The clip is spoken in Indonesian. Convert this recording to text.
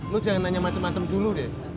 lo jangan nanya macem macem dulu deh